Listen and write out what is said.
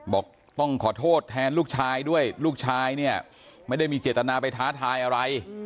บอกต้องขอโทษแทนลูกชายด้วยลูกชายเนี่ยไม่ได้มีเจตนาไปท้าทายอะไร